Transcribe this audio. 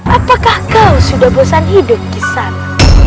apakah kau sudah bosan hidup kisana